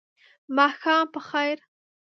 ماښام په خیر !